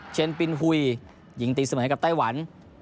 เชนปินหุยยิงตีเสมอกับไต้หวัน